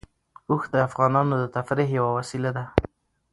اوښ د افغانانو د تفریح یوه وسیله ده.